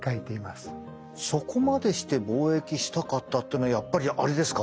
そこまでして貿易したかったっていうのはやっぱりあれですか？